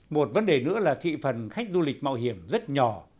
một vấn đề nữa là thị phần khách du lịch mạo hiểm rất nhỏ